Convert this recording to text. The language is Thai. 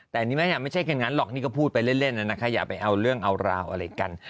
แต่อันนี้ไม่ใช่แค่นั้นหรอกนี่ก็พูดไปเล่นแล้วนะคะอย่าไปเอาเรื่องเอาราวอะไรกัน